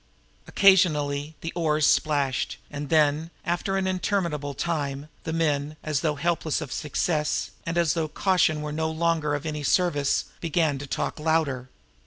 Occasionally the oars splashed; and then, after an interminable time, the men, as though hopeless of success, and as though caution were no longer of any service, began to talk louder.